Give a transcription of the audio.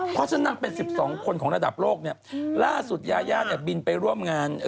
เพราะฉะนั้นนางเป็น๑๒คนของระดับโลกเนี่ยล่าสุดยายาเนี่ยบินไปร่วมงาน